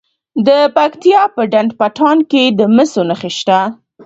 د پکتیا په ډنډ پټان کې د مسو نښې شته.